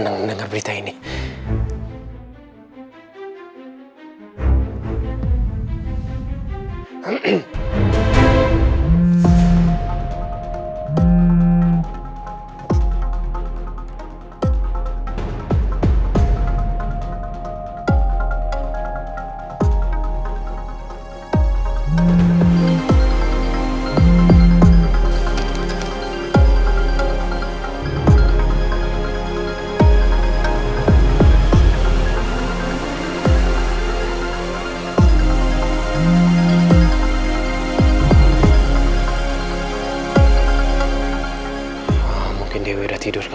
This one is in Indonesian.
tapi penggantiannya yang sukar dike pudari juga